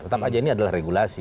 tetap aja ini adalah regulasi